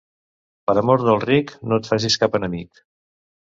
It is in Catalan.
Per amor del ric, no et facis cap enemic.